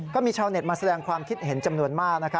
ก็มีชาวเน็ตมาแสดงความคิดเห็นจำนวนมาก